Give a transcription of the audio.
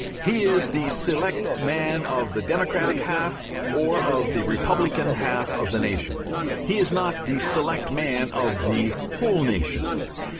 He is the select man of the Democratic half, or of the Republican half of the nation. He is not the select man of the whole nation.